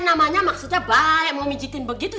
namanya maksudnya banyak mau pijetin begitu